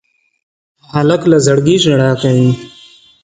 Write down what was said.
هلک له زړګي ژړا کوي.